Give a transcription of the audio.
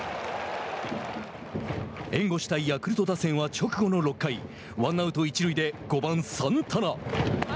援護したいヤクルト打線は直後の６回ワンアウト、一塁で５番サンタナ。